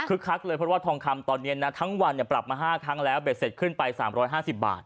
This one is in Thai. คือคักเลยเพราะว่าทองคำตอนนี้นะทั้งวันปรับมา๕ครั้งแล้วเบ็ดเสร็จขึ้นไป๓๕๐บาท